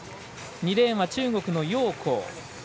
２レーンは中国の楊洪。